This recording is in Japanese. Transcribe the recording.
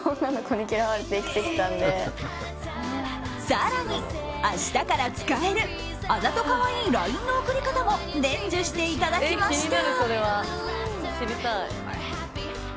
更に、明日から使えるあざとカワイイＬＩＮＥの送り方も伝授していただきました。